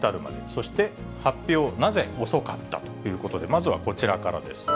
そして発表、なぜ遅かった？ということで、まずはこちらからです。